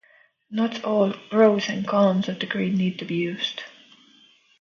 Not all rows and columns of the grid need to be used.